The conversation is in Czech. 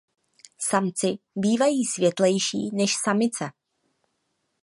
Samci bývají světlejší než samice.